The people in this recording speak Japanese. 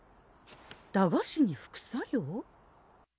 駄菓子に副作用？